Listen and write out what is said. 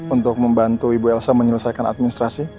untuk membantu ibu elsa menyelesaikan administrasi